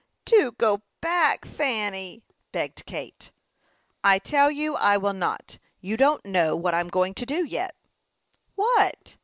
"Do go back, Fanny," begged Kate. "I tell you I will not. You don't know what I am going to do yet." "What?"